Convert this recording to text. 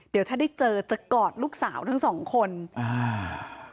เดี๋ยวถ้าได้เจอจะกอดลูกสาวทั้งสองคนอ่า